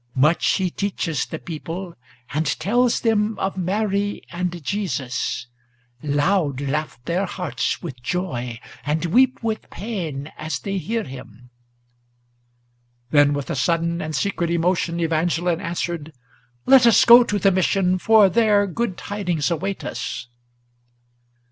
Much he teaches the people, and tells them of Mary and Jesus; Loud laugh their hearts with joy, and weep with pain, as they hear him." Then, with a sudden and secret emotion, Evangeline answered, "Let us go to the Mission, for there good tidings await us!"